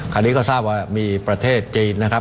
คราวนี้ก็ทราบว่ามีประเทศจีนนะครับ